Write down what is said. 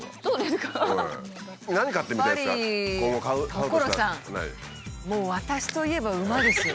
所さんもう私といえば馬ですよ。